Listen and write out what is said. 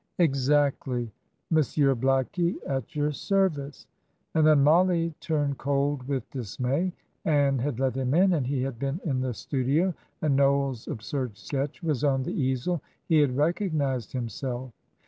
"Exactly. Monsieur Blackie, at your service;" and then Mollie turned cold with dismay. Ann had let him in, and he had been in the studio, and Noel's absurd sketch was on the easel. He had recognised himself.